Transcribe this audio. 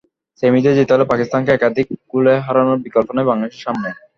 সেমিতে যেতে হলে পাকিস্তানকে একাধিক গোলে হারানোর বিকল্প নেই বাংলাদেশের সামনে।